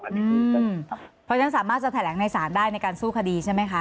เพราะฉะนั้นสามารถจะแถลงในศาลได้ในการสู้คดีใช่ไหมคะ